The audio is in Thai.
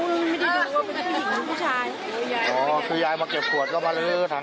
ไม่ได้รู้ไม่ได้รู้ว่ามันจะเป็นหญิงหรือผู้ชาย